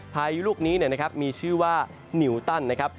พายุลูกนี้มีชื่อว่านิวตันนะครับ